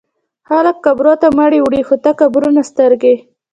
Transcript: خلک قبرو ته مړي وړي خو ته قبرونه سترګې